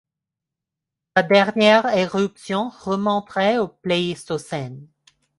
Sa dernière éruption remonterait au Pléistocène.